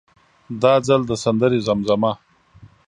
دا ځل د سندرې زمزمه.